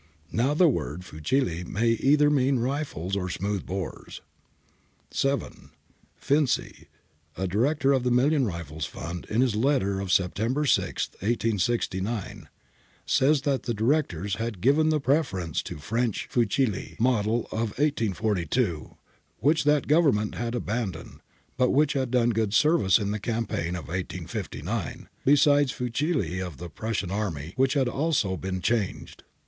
Now the word fucili may mean either rifles or smooth bores. 7. Finzi, a Director of the Million Rifles Fund, in his letter of September 6, 1 869 (printed in Chiala, iv. pp. cxxvii cxxxi), says that the Directors 'had given the preference to French fucili, model of 1842, which that Government had abandoned, but which had done good service in the campaign of 1859 — besides fucili of the Prussian army which had also been changed.